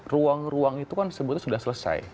ruang ruang itu kan sebetulnya sudah selesai